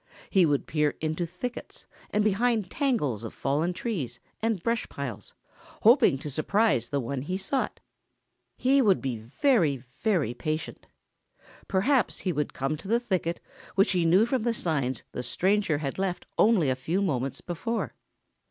He would peer into thickets and behind tangles of fallen trees and brush piles, hoping to surprise the one he sought. He would be very, very patient. Perhaps he would come to the thicket which he knew from the signs the stranger had left only a few moments before.